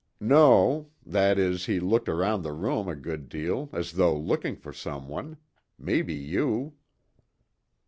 "No. That is, he looked around the room a good deal as though looking for some one. Maybe you."